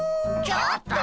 ちょっと！